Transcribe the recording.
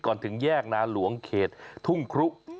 ถึงแยกนาหลวงเขตทุ่งครุ